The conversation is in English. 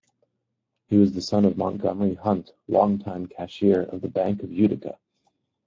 He was the son of Montgomery Hunt, long-time Cashier of the Bank of Utica.